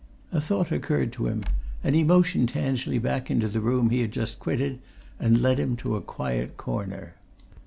A thought occurred to him, and he motioned Tansley back into the room he had just quitted, and led him to a quiet corner.